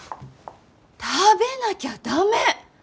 食べなきゃ駄目！